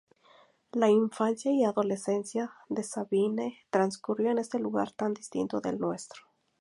La infancia y adolescencia de Sabine transcurrió en este lugar tan distinto del nuestro.